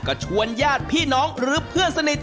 ก็ชวนญาติพี่น้องหรือเพื่อนสนิท